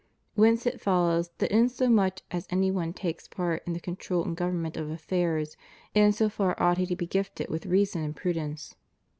Whence it follows that insomuch as any one takes part in the control and government of affairs, in so far ought he to be gifted with reason and prudence.